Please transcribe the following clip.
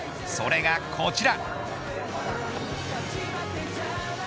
それがこちら。